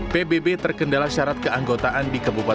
pbb terkendala syarat keanggotaan dikepunyai